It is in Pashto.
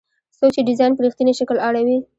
څوک چې ډیزاین په رښتیني شکل اړوي.